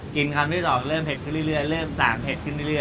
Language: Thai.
คำที่๒เริ่มเผ็ดขึ้นเรื่อยเริ่มสั่งเผ็ดขึ้นเรื่อย